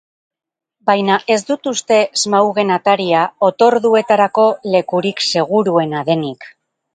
Baina ez dut uste Smaugen ataria otorduetarako lekurik seguruena denik.